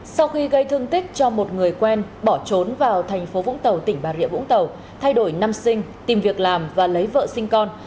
sau khi gây thương tích cho một người quen bỏ trốn vào thành phố vũng tàu tỉnh bà rịa vũng tàu thay đổi năm sinh tìm việc làm và lấy vợ sinh con